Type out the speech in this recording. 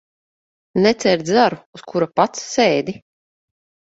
Necērt zaru, uz kura pats sēdi.